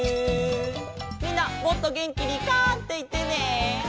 みんなもっとげんきに「カァ」っていってね。